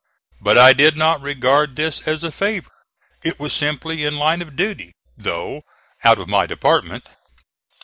But I did not regard this as a favor. It was simply in line of duty, though out of my department.